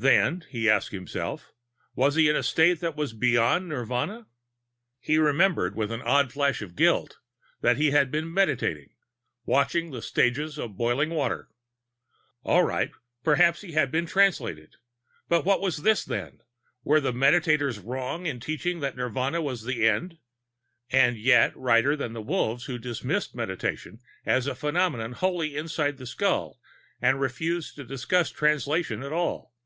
Then, he asked himself, was he in a state that was beyond Nirvana? He remembered, with an odd flash of guilt, that he had been Meditating, watching the stages of boiling water. All right, perhaps he had been Translated. But what was this, then? Were the Meditators wrong in teaching that Nirvana was the end and yet righter than the Wolves, who dismissed Meditation as a phenomenon wholly inside the skull and refused to discuss Translation at all?